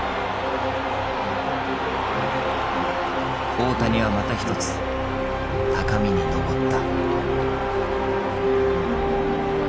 大谷はまた一つ高みにのぼった。